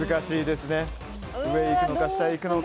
上へ行くのか下へ行くのか。